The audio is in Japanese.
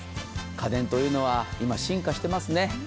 家電というのは今、進化していますね。